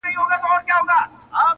خو بدلون ورو روان دی تل,